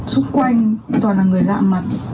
xung quanh toàn là người lạ mặt